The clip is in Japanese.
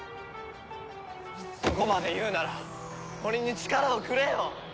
そこまで言うなら俺に力をくれよ！